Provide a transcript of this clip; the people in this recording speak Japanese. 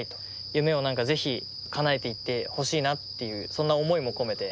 夢をぜひかなえていってほしいなっていうそんな思いも込めて。